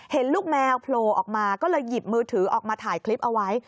เห็นลูกแมวโผล่ออกมาก็เลยหยิบมือถือออกมาถ่ายคลิปเอาไว้